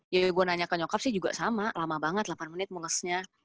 ya yogo nanya ke nyokap sih juga sama lama banget delapan menit munasnya